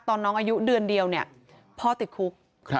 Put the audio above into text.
น้องอายุเดือนเดียวเนี่ยพ่อติดคุก